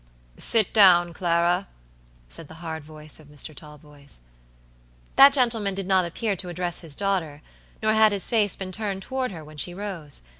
"Sit down, Clara," said the hard voice of Mr. Talboys. That gentleman did not appear to address his daughter, nor had his face been turned toward her when she rose.